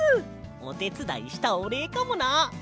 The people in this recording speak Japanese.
おてつだいしたおれいかもな！